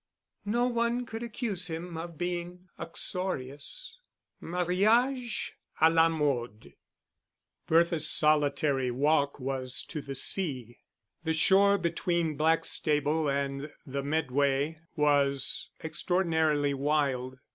"No one could accuse him of being uxorious." Mariage à la mode. Bertha's solitary walk was to the sea. The shore between Blackstable and the Medway was extraordinarily wild.